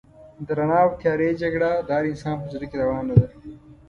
د رڼا او تيارې جګړه د هر انسان په زړه کې روانه ده.